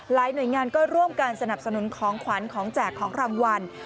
หน่วยงานก็ร่วมกันสนับสนุนของขวัญของแจกของรางวัล